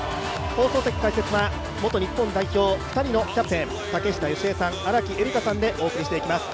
放送席解説は元日本代表２人のキャプテン、竹下佳江さん、荒木絵里香さんでお送りします。